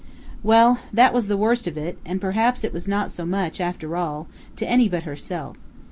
Well, that was the worst of it, and perhaps it was not so much, after all, to any but herself.